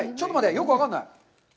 よく分からない。